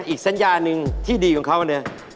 อีกสัญญาหนึ่งที่ดีของเขาเนี่ย